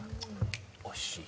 惜しい。